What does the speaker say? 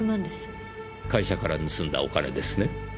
会社から盗んだお金ですね？